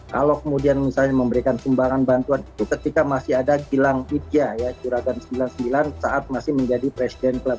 kalau kemudian misalnya memberikan sumbangan bantuan itu ketika masih ada gilang pidja ya curagan sembilan puluh sembilan saat masih menjadi presiden klub